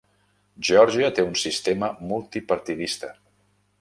Geòrgia té un sistema multipartidista.